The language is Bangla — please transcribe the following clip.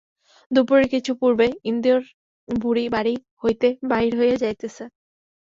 দুপুরের কিছু পূর্বে ইন্দির বুড়ি বাড়ি হইতে বাহির হইয়া যাইতেছে।